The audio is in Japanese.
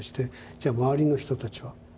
じゃあ周りの人たちは？